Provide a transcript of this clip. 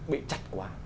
bị chặt quá